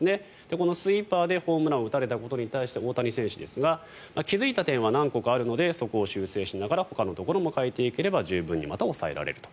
このスイーパーでホームランを打たれたことに対して大谷選手ですが気付いた点は何個かあるのでそこを修正しながらほかのところも変えていければ十分にまた抑えられると。